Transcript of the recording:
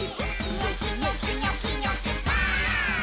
「ニョキニョキニョキニョキバーン！」